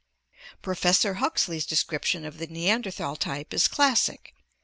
Professor Huxley's description of the Neanderthal type is classic.